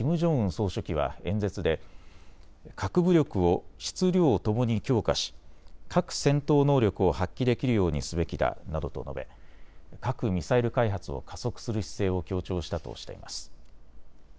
総書記は演説で核武力を質・量ともに強化し核戦闘能力を発揮できるようにすべきだなどと述べ核・ミサイル開発を加速する姿勢を強調したとしています。